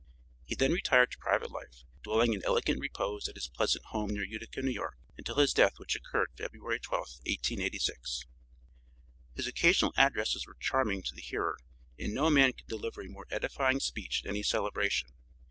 He then retired to private life, dwelling in elegant repose at his pleasant home near Utica, New York, until his death which occurred February 12th, 1886. His occasional addresses were charming to the hearer, and no man could deliver a more edifying speech at any celebration.